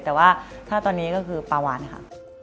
แต่ว่าถ้าตอนนี้ก็คือปลาวานค่ะ